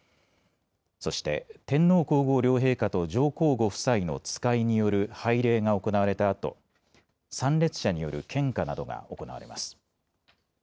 そして、天皇皇后両陛下と上皇ご夫妻の使いによる拝礼が行われたあと、参列者による献花などが行われます。